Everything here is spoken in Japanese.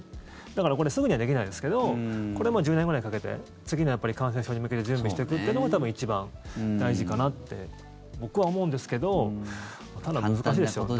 だからこれすぐにはできないですけどこれも１０年ぐらいかけて次の感染症に向けて準備していくというのが多分一番大事かなって僕は思うんですけどただ、難しいですよね。